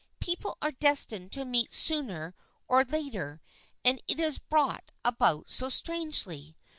" People are destined to meet sooner or later and it is brought about so strangely.